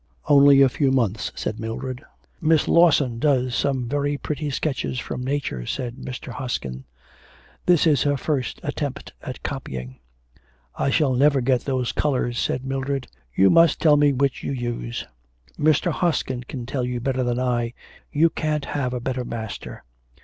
'Only a few months,' said Mildred. 'Miss Lawson does some very pretty sketches from nature,' said Mr. Hoskin; 'this is her first attempt at copying.' 'I shall never get those colours,' said Mildred. 'You must tell me which you use.' 'Mr. Hoskin can tell you better than I. You can't have a better master.'